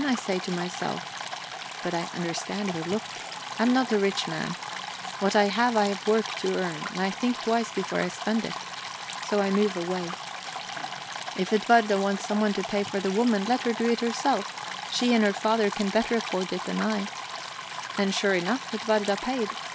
I say to myself. But I understand her look. I'm not a rich man; what I have I've worked to earn, and I think twice before I spend it; so I move away. If Edwarda wants someone to pay for the woman, let her do it herself; she and her father can better afford it than I. And sure enough, Edwarda paid.